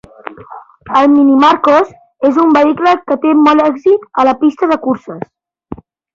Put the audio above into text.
El Mini Marcos és un vehicle que té molt èxit a la pista de curses.